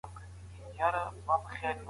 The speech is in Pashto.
منصوري کریږه یم له داره وځم